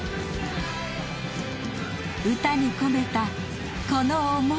歌に込めたこの思い。